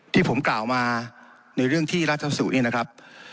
ที่ผมกล่าวมาในเรื่องที่รัฐสุเนี่ยนะครับ